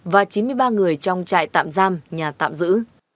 và chín mươi ba người trong trại tạm giam nhà tạm giữ